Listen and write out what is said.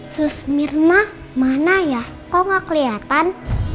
susmirna mana ya kok gak keliatan